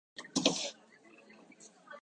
いいじゃないのダメよダメダメ